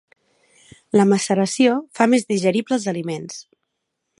La maceració fa més digerible els aliments.